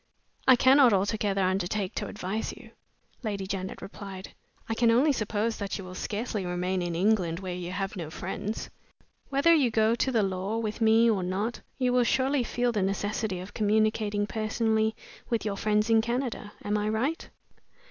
"I cannot altogether undertake to advise you," Lady Janet replied. "I can only suppose that you will scarcely remain in England, where you have no friends. Whether you go to law with me or not, you will surely feel the necessity of communicating personally with your friends in Canada. Am I right?"